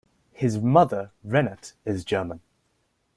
His mother, Renate, is German.